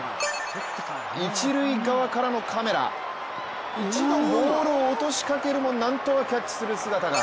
一塁側からのカメラ、一度ボールを落としかけるもなんとかキャッチする姿が。